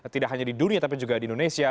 tidak hanya di dunia tapi juga di indonesia